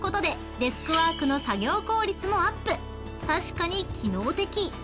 ［確かに機能的］